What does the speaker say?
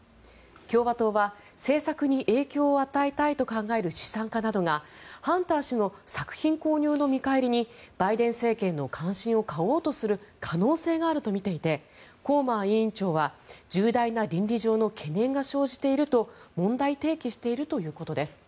共和党は政策に影響を与えたいと考える資産家などがハンター氏の作品購入の見返りにバイデン政権の歓心を買おうとする可能性があるとみていて、コマー委員長は重大な倫理上の懸念が生じていると問題提起しているということです。